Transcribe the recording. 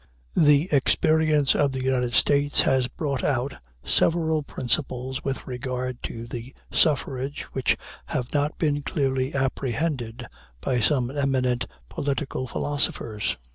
The experience of the United States has brought out several principles with regard to the suffrage which have not been clearly apprehended by some eminent political philosophers.